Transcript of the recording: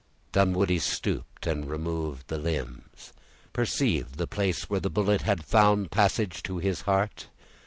Dunwoodie stooped, and removing the limbs, perceived the place where the bullet had found a passage to his heart.